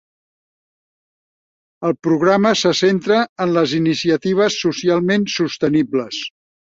El programa se centra en les iniciatives socialment sostenibles.